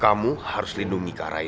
kamu harus lindungi kak raina